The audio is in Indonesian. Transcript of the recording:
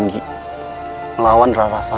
sebelum hanya tersisa